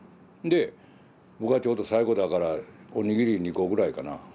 で僕はちょうど最後だからお握り２個ぐらいかな。